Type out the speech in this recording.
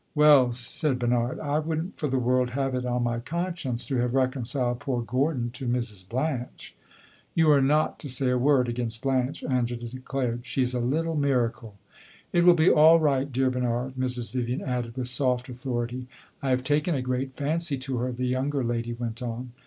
"Well," said Bernard, "I would n't for the world have it on my conscience to have reconciled poor Gordon to Mrs. Blanche." "You are not to say a word against Blanche," Angela declared. "She 's a little miracle." "It will be all right, dear Bernard," Mrs. Vivian added, with soft authority. "I have taken a great fancy to her," the younger lady went on.